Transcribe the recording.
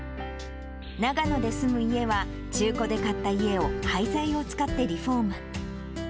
長野で住む家は中古で買った家を、廃材を使ってリフォーム。